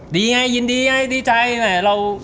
ดีไงยินดีไงดีใจไง